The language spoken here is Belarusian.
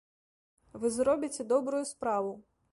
Вы зробіце добрую справу.